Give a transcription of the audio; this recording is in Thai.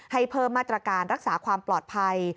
ให้เพิ่มมาตรการรักษาความปลอดภัย